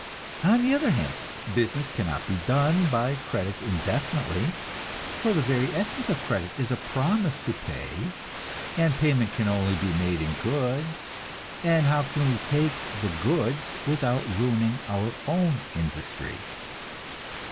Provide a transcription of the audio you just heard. On the other hand, business cannot be done by credit indefinitely; for the very essence of credit is a promise to pay, and payment can only be made in goods, and how can we take the goods without ruining our own industry?